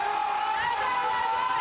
大丈夫大丈夫！